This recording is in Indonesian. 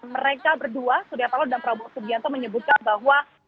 mereka berdua suryapalo dan prabowo subianto menyebutkan bahwa